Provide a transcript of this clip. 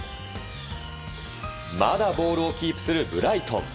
まだボールをキープするブライトン。